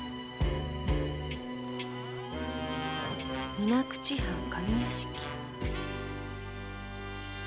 水口藩上屋敷